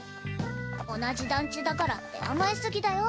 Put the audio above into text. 同じ団地だからって甘え過ぎだよ